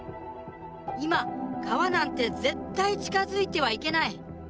今川なんて絶対近づいてはいけない。